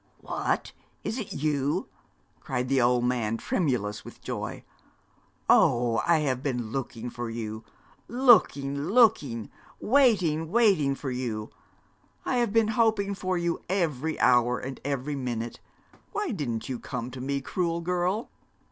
'What, is it you?' cried the old man, tremulous with joy. 'Oh, I have been looking for you looking looking waiting, waiting for you. I have been hoping for you every hour and every minute. Why didn't you come to me, cruel girl?'